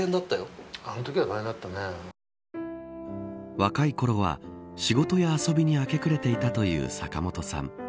若いころは仕事や遊びに明け暮れていたという坂本さん。